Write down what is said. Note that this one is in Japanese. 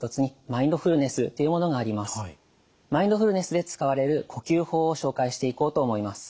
マインドフルネスで使われる呼吸法を紹介していこうと思います。